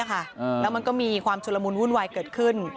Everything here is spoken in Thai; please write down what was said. แล้วมันก็มีความชุลมุนวุ่นวายเกิดขึ้น